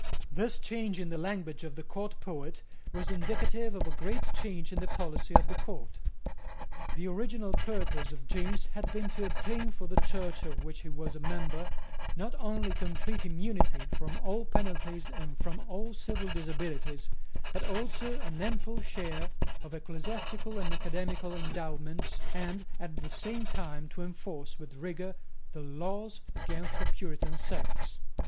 This change in the language of the court poet was indicative of a great change in the policy of the court. The original purpose of James had been to obtain for the Church of which he was a member, not only complete immunity from all penalties and from all civil disabilities, but also an ample share of ecclesiastical and academical endowments, and at the same time to enforce with rigour the laws against the Puritan sects.